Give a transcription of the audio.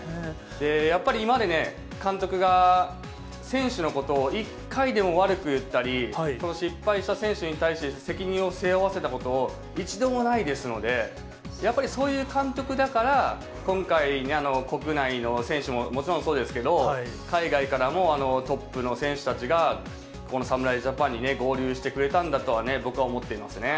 やっぱり今までね、監督が、選手のことを、一回でも悪く言ったり、失敗した選手に対して責任を背負わせたこと、一度もないですので、やっぱりそういう監督だから、今回、国内の選手ももちろんそうですけど、海外からもトップの選手たちが、この侍ジャパンに合流してくれたんだとは、僕は思っていますね。